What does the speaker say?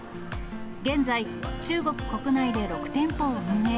現在、中国国内で６店舗を運営。